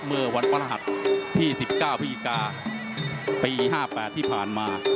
เมื่อวันพระหัสที่สิบเก้าพี่อีกาปีห้าแปดที่ผ่านมา